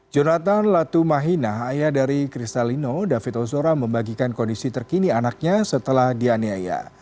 jonathan latumahina ayah dari kristalino david ozora membagikan kondisi terkini anaknya setelah dianiaya